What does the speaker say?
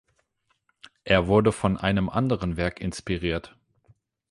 Er wurde von einem anderen Werk inspiriert.